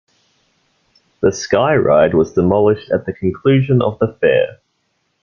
The Sky Ride was demolished at the conclusion of the fair.